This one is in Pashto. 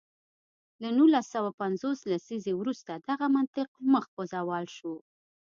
له نولس سوه پنځوس لسیزې وروسته دغه منطق مخ په زوال شو.